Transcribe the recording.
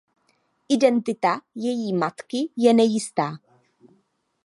Identita její matky je nejistá.